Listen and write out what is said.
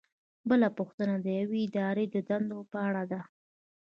بله پوښتنه د یوې ادارې د دندو په اړه ده.